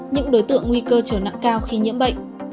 những đối tượng nguy cơ trở nặng cao khi nhiễm bệnh